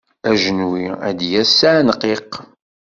Ajenwi ad d-yas s aεenqiq.